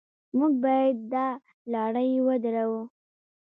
موږ باید دا لړۍ ودروو.